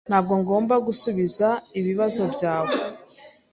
Ntabwo ngomba gusubiza ibibazo byawe.